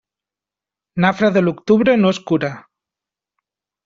Nafra de l'octubre no es cura.